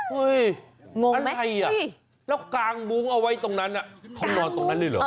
งงอะไรอ่ะแล้วกางมุ้งเอาไว้ตรงนั้นเขานอนตรงนั้นเลยเหรอ